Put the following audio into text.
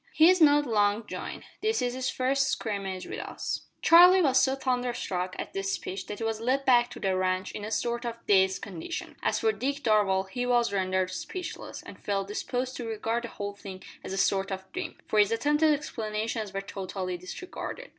"He's not long joined. This is his first scrimmage with us." Charlie was so thunderstruck at this speech that he was led back to the ranch in a sort of dazed condition. As for Dick Darvall, he was rendered speechless, and felt disposed to regard the whole thing as a sort of dream, for his attempted explanations were totally disregarded.